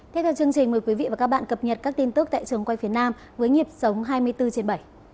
tiếp theo chương trình mời quý vị và các bạn cập nhật các tin tức tại trường quay phía nam với nhịp sống hai mươi bốn trên bảy